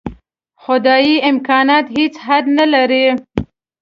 خدايي امکانات هېڅ حد نه لري.